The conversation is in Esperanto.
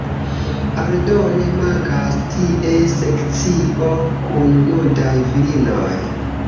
Aldone, mankas tie sekcio kun nudaj virinoj.